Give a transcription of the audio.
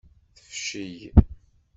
Tefcel.